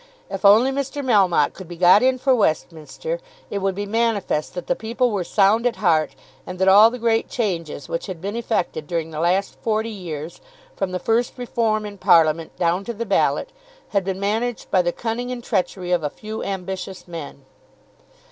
If only Mr. Melmotte could be got in for Westminster, it would be manifest that the people were sound at heart, and that all the great changes which had been effected during the last forty years, from the first reform in Parliament down to the Ballot, had been managed by the cunning and treachery of a few ambitious men.